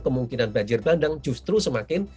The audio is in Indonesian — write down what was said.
kemungkinan banjir bandang justru semakin